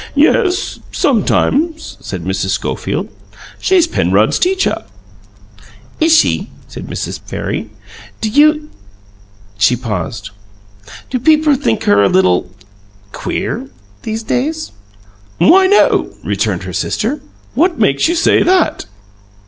"Yes; sometimes," said Mrs. Schofield. "She's Penrod's teacher." "Is she?" said Mrs. Farry. "Do you " She paused. "Do people think her a little queer, these days?" "Why, no," returned her sister. "What makes you say that?"